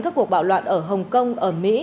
các cuộc bạo loạn ở hồng kông ở mỹ